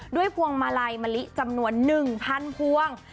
ด้วยภวงมาลัยมลิจำนวนหนึ่งพันธุ์ภวง